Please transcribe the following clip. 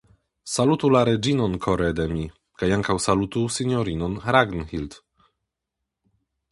Salutu la reĝinon kore de mi; kaj ankaŭ salutu sinjorinon Ragnhild.